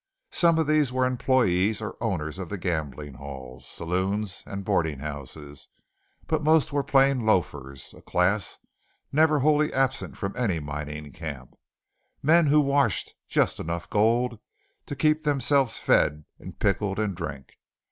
Some of these were employees or owners of the gambling halls, saloons, and boarding houses; but most were plain "loafers" a class never wholly absent from any mining camp, men who washed just enough gold to keep themselves fed and pickled in drink.